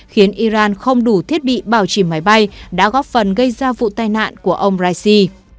khiến iran không đủ thiết bị bảo trì máy bay đã góp phần gây ra vụ tai nạn của ông raisi